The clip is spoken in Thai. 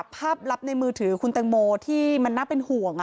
ภาพลับในมือถือคุณแตงโมที่มันน่าเป็นห่วง